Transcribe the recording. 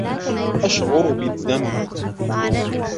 اشعر بالذنب.